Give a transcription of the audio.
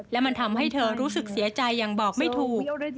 และมันทำให้เธอรู้สึกเสียใจอย่างบอกไม่ถูก